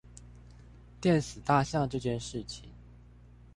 電死大象這件事情